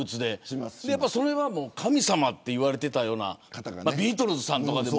それはもう神様と言われていたようなビートルズさんとかでも。